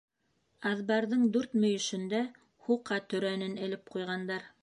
Аҙбарҙың дүрт мөйөшөндә һуҡа төрәнен элеп ҡуйғандар.